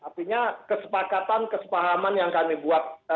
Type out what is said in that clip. artinya kesepakatan kesepahaman yang kami buat